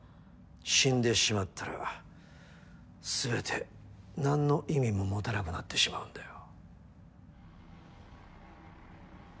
死んでしまったら全てなんの意味も持たなくなってしまうんだよ。